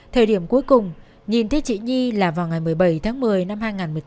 thời điểm cuối cùng nhìn thấy chị nhi là vào ngày một mươi bảy tháng một mươi năm hai nghìn một mươi chín